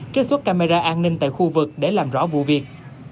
trích xuất camera an ninh tại khu vực để làm rõ vụ việc